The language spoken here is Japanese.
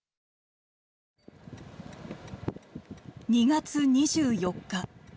２月２４日。